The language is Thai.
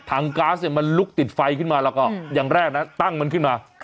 ก๊าซเนี่ยมันลุกติดไฟขึ้นมาแล้วก็อย่างแรกนะตั้งมันขึ้นมา